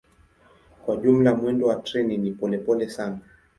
Kwa jumla mwendo wa treni ni polepole sana.